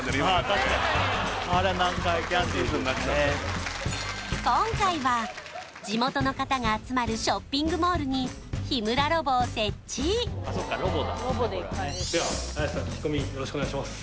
確かにあれは南海キャンディーズになっちゃう今回は地元の方が集まるショッピングモールに日村ロボを設置では綾瀬さん聞き込みよろしくお願いします